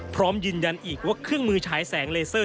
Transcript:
พร้อมยืนยันอีกว่าเครื่องมือฉายแสงเลเซอร์